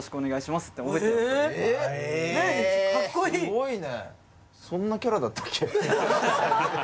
すごいね。